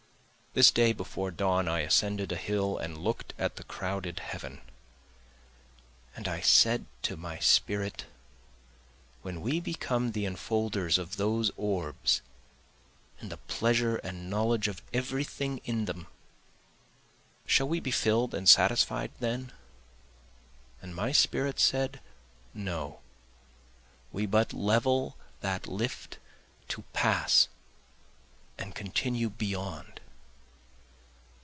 This day before dawn I ascended a hill and look'd at the crowded heaven, And I said to my spirit When we become the enfolders of those orbs, and the pleasure and knowledge of every thing in them, shall we be fill'd and satisfied then? And my spirit said No, we but level that lift to pass and continue beyond.